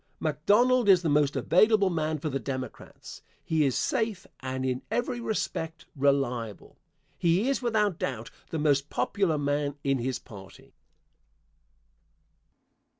McDonald is the most available man for the Democrats. He is safe and in every respect reliable. He is without doubt the most popular man in his party.